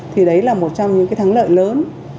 thì đấy là một trong những cái thắng lợi lớn